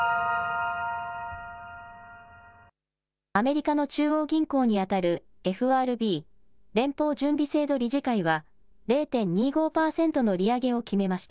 アメリカの中央銀行にあたるＦＲＢ・連邦準備制度理事会は０．２５％の利上げを決めました。